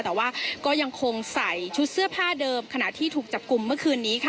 แต่ว่าก็ยังคงใส่ชุดเสื้อผ้าเดิมขณะที่ถูกจับกลุ่มเมื่อคืนนี้ค่ะ